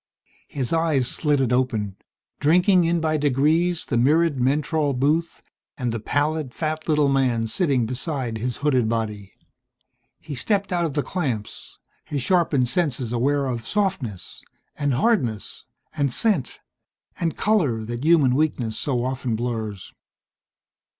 His eyes slitted open, drinking in by degrees the mirrored mentrol booth and the pallid, fat, little man sitting beside his hooded body. He stepped out of the clamps, his sharpened senses aware of softness, and hardness, and scent, and color that human weakness so often blurs.